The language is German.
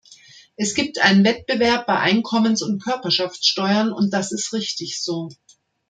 Es gibt einen Wettbewerb bei Einkommens- und Körperschaftssteuern, und das ist richtig so.